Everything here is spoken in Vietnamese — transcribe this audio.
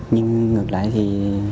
nhưng ngược lại thì